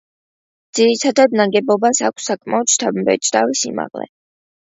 ძირითად ნაგებობას აქვს საკმაოდ შთამბეჭდავი სიმაღლე.